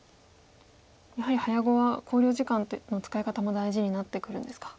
やはり早碁は考慮時間の使い方も大事になってくるんですか。